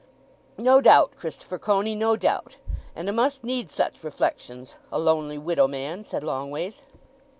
"No doubt, Christopher Coney, no doubt. And 'a must need such reflections—a lonely widow man," said Longways.